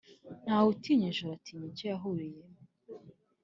Ntawe utinya ijoro, atinya icyo bahuriyemo.